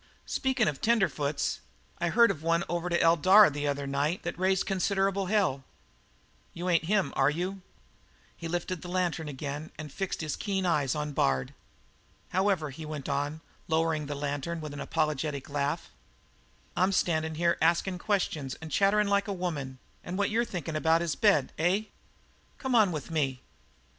"Speakin' of tenderfoots, I heard of one over to Eldara the other night that raised considerable hell. You ain't him, are you?" He lifted the lantern again and fixed his keen eyes on Bard. "However," he went on, lowering the lantern with an apologetic laugh, "I'm standin' here askin' questions and chatterin' like a woman, and what you're thinkin' of is bed, eh? Come on with me."